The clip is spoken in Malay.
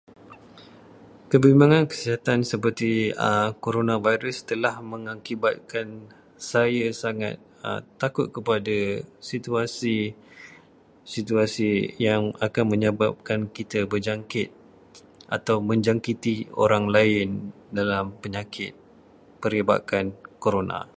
Kebimbangan kesihatan seperti Corona virus setelah mengakibatkan saya sangat takut kepada situasi-situasi yang akan menyebabkan kita berjangkit atau menjangkiti orang lain dalam penyakit perebakan Corona.